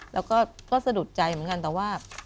แล้วก็สะดุดใจเหมือนกันแต่ว่า